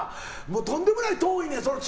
とんでもない遠いねん